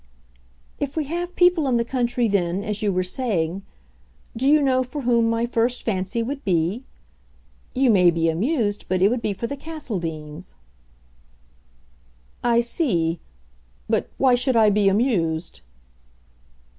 "If we have people in the country then, as you were saying, do you know for whom my first fancy would be? You may be amused, but it would be for the Castledeans." "I see. But why should I be amused?"